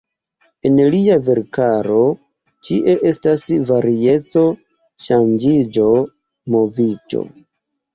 En lia verkaro ĉie estas varieco, ŝanĝiĝo, moviĝo.